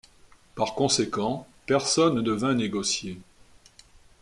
Par conséquent, personne ne vint négocier.